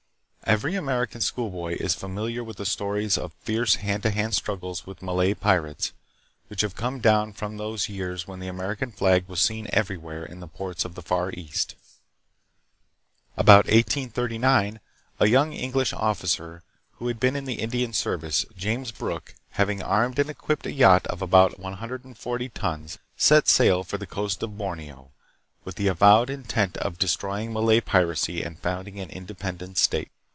Every American schoolboy is familiar with the stories of fierce hand to hand struggles with Malay pirates, which have come down from those years when the American flag was seen everywhere in the ports of the Far East. About 1839 a young English officer, 1 who had been in the Indian service, James Brooke, having armed and equipped a yacht of about 140 tons, set sail for the coast of Borneo, with the avowed intent of destroying Malay piracy and founding an independent state.